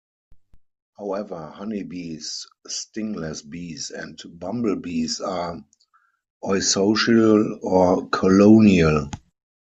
However, honey bees, stingless bees, and bumblebees are eusocial or colonial.